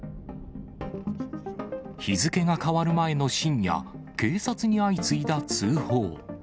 日付が変わる前の深夜、警察に相次いだ通報。